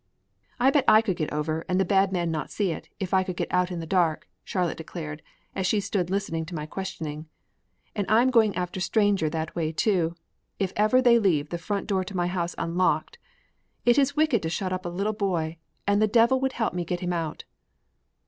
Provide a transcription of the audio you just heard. "I bet I could get over and the bad man not see if I could get out in the dark," Charlotte declared as she stood listening to my questioning. "And I am going after Stranger that way, too, if ever they leave the front door to my house unlocked. It is wicked to shut up a little boy, and the devil would help me get him out."